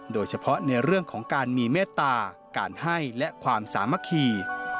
โดยเฉพาะในเรื่องของการมีเมตตาการให้และความสามัคคี